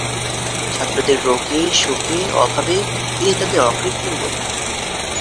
ছাত্রদের রোগে, শোকে, অভাবে তিনি তাদের অকৃত্রিম বন্ধু।